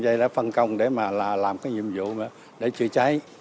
bà em đã phân công để làm nhiệm vụ để chữa trái